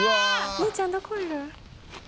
「兄ちゃんどこいる？」